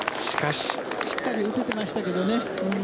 しっかり打ててましたけどね。